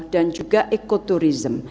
dan juga ekoturisme